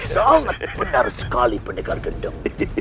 sangat benar sekali pendekar gendeng